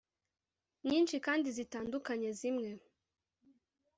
Nyinshi kandi zitandukanye zimwe